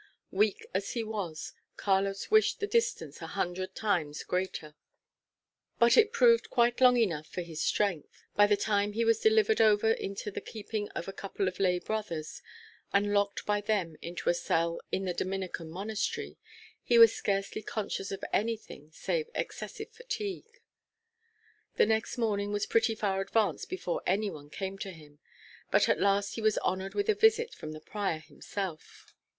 Weak as he was, Carlos wished the distance a hundred times greater. But it proved quite long enough for his strength. By the time he was delivered over into the keeping of a couple of lay brothers, and locked by them into a cell in the Dominican monastery, he was scarcely conscious of anything save excessive fatigue. The next morning was pretty far advanced before any one came to him; but at last he was honoured with a visit from the prior himself.